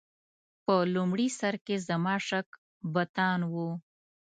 په لومړي سر کې زما شک بتان و.